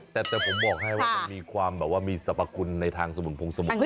แต่ผมบอกให้ว่ามีความมีสรรพคุณในทางสมุงพงสมุง